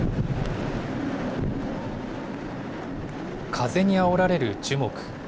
風にあおられる樹木。